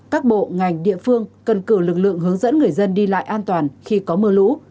các bộ ngành địa phương cần cử lực lượng hướng dẫn người dân đi lại an toàn khi có mưa lũ